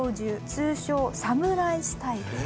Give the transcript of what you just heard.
通称サムライスタイル。